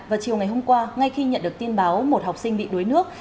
vào chiều ngày hôm qua ngay khi nhận được tin báo một học sinh bị đuối nước